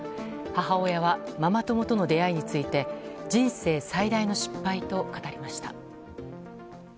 母親はママ友との出会いについて人生最大の失敗と語りました。